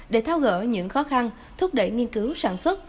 để thao gỡ những khó khăn thúc đẩy nghiên cứu sản xuất